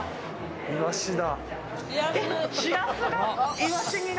イワシだ。